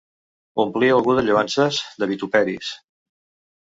Omplir algú de lloances, de vituperis.